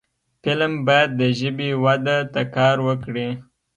فلم باید د ژبې وده ته کار وکړي